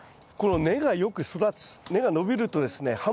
この根がよく育つ根が伸びるとですね